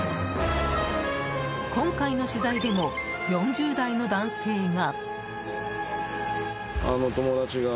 今回の取材でも４０代の男性が。